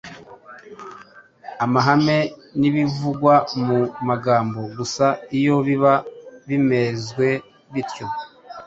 amahame n’ibivugwa mu magambo gusa. Iyo biba bimezwe bityo